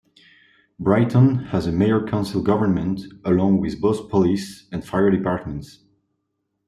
Brighton has a Mayor-council government, along with both Police, and Fire Departments.